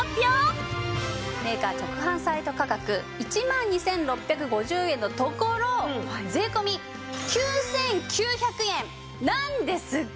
メーカー直販サイト価格１万２６５０円のところ税込９９００円なんですが。